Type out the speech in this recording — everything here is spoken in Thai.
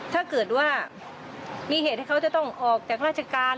ถ้าเกิดว่ามีเหตุให้เขาจะต้องออกจากราชการ